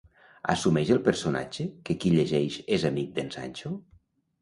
Assumeix el personatge que qui llegeix és amic d'en Sancho?